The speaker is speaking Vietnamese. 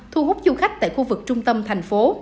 thu hút du khách tại khu vực trung tâm thành phố